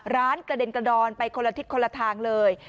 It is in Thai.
ร้านกระเด็นกระดอนไปคนละทิศคนละทางเลย